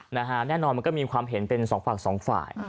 แน่นอนมันก็มีความเห็นเป็นสองฝั่งสองฝ่าย